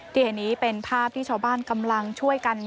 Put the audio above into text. ที่เห็นนี้เป็นภาพที่ชาวบ้านกำลังช่วยกัน